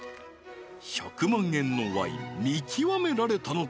１００万円のワイン見極められたのか？